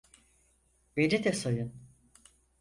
Beni de sayın.